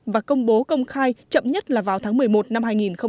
và công bố công khai chậm nhất là vào tháng một mươi một năm hai nghìn một mươi chín